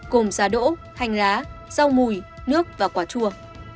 gồm giá đỗ hành lá rau mùi nước và quả chua